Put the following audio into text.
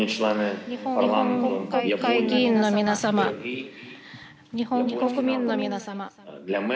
日本の国会議員の皆様日本国民の皆様